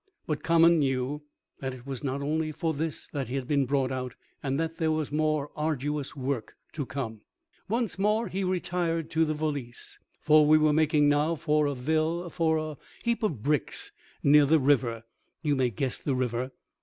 But Common knew that it was not only for this that he had been brought out, and that there was more arduous work to come. Once more he retired to the valise, for we were making now for a vill for a heap of bricks near the river; you may guess the river.